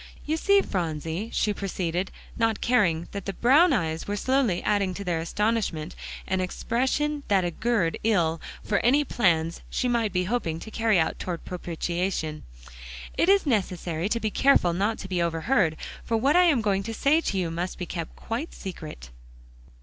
"You see, Phronsie," she proceeded, not caring that the brown eyes were slowly adding to their astonishment an expression that augured ill for any plans she might be hoping to carry out toward propitiation. "It is necessary to be careful not to be overheard, for what I am going to say to you must be kept quite secret."